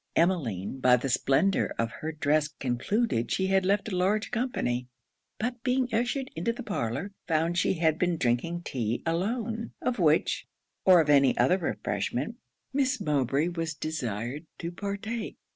Emmeline, by the splendour of her dress, concluded she had left a large company: but being ushered into a parlour, found she had been drinking tea alone; of which, or of any other refreshment, Miss Mowbray was desired to partake.